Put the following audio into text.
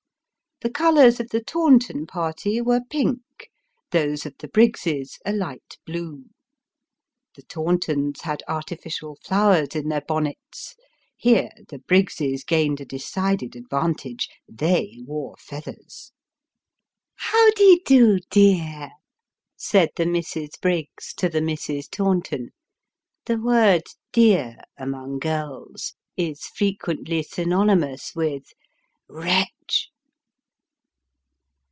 The colours of the Taunton party were pink ; those of the Briggses a light blue. The Tauntons had artificial flowers in their bonnets ; here the Briggses gained a decided advantage they wore feathers. " How d'ye do, dear V " said the Misses Briggs to the Misses Taunton. (The word " dear " among girls is frequently synonymous with " wretch.")